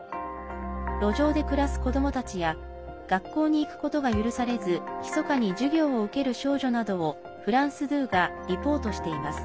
路上で暮らす子どもたちや学校に行くことが許されずひそかに授業を受ける少女などをフランス２がリポートしています。